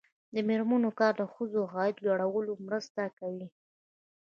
د میرمنو کار د ښځو عاید لوړولو مرسته کوي.